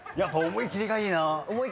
思い切りがいい。